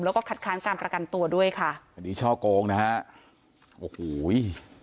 แล้วก็คัดค้านการประกันตัวด้วยค่ะคดีช่อโกงนะฮะโอ้โห